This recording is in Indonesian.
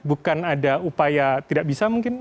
bukan ada upaya tidak bisa mungkin